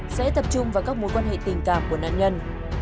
sẽ tập trung vào các mối quan hệ tình cảm của nạn nhân